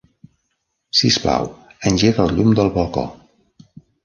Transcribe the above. Sisplau, engega el llum del balcó.